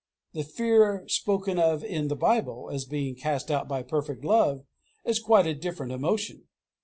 The fear spoken of in the Bible, as being cast out by perfect love, is quite a different emotion.